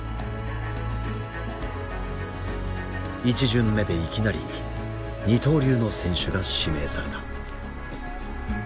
１巡目でいきなり二刀流の選手が指名された。